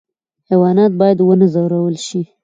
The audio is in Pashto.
حیوانات باید ونه ځورول شي